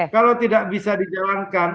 kalau tidak bisa dijalankan